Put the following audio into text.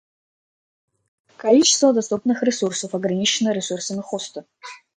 Количество доступных ресурсов ограничено ресурсами хоста